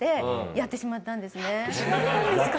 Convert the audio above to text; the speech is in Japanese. やってしまったんですか。